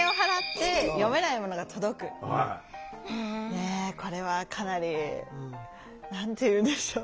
ねえこれはかなり何て言うんでしょう。